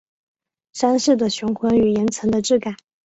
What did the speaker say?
山势的雄浑与岩层的质感